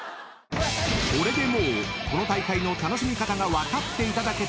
［これでもうこの大会の楽しみ方が分かっていただけたかと］